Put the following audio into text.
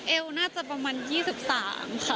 เอวน่าจะประมาณ๒๓ค่ะ